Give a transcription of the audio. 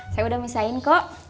saya udah misain kok